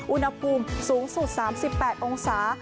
อุณหภูมิสูงสุด๓๘องศา